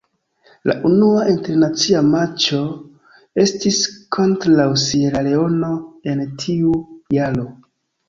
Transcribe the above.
La unua internacia matĉo estis kontraŭ Sieraleono en tiu jaro.